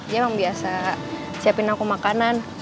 dia emang biasa siapin aku makanan